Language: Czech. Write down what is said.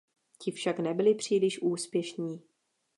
Ti však nebyli příliš úspěšní.